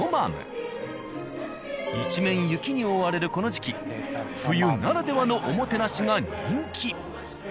一面雪に覆われるこの時期冬ならではのおもてなしが人気。